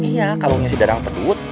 iya kalungnya si dadang pedut